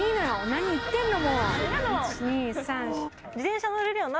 何言ってんの。